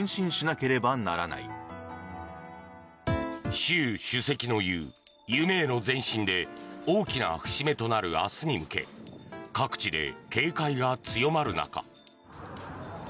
習主席の言う夢への前進で大きな節目となる明日に向け各地で警戒が強まる中。